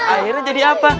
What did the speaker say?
akhirnya jadi apa